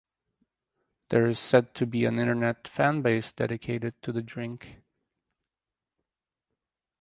There is said to be an Internet fanbase dedicated to the drink.